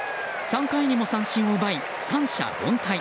３回にも三振を奪い三者凡退。